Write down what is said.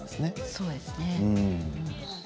そうですね。